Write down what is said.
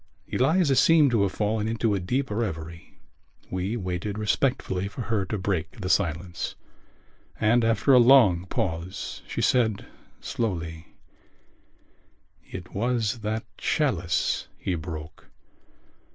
Eliza seemed to have fallen into a deep revery. We waited respectfully for her to break the silence: and after a long pause she said slowly: "It was that chalice he broke....